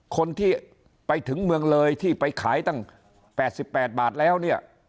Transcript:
คนที่ไปถึงเมืองเลยที่ไปขายตั้ง๘๘บาทแล้วเนี่ย